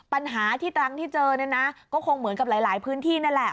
ปัญหาที่ตรังที่เจอเนี่ยนะก็คงเหมือนกับหลายพื้นที่นั่นแหละ